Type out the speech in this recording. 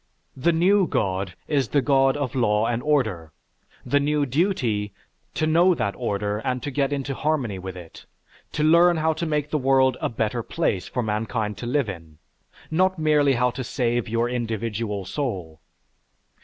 The new God is the God of law and order; the new duty, to know that order and to get into harmony with it, to learn how to make the world a better place for mankind to live in, not merely how to save your individual soul.